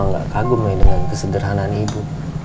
salma gak kagum dengan kesederhanaan ibu